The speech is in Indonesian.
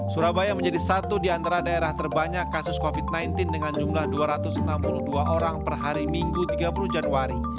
surabaya menjadi satu di antara daerah terbanyak kasus covid sembilan belas dengan jumlah dua ratus enam puluh dua orang per hari minggu tiga puluh januari